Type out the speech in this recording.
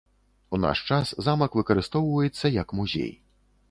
У наш час замак выкарыстоўваецца як музей.